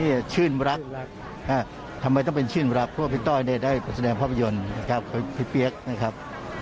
ชื่นรักทำไมต้องเป็นชื่นรักเพราะว่าพี่ต้อยเนี่ยได้แสดงภาพยนตร์นะครับพี่เปี๊ยกนะครับ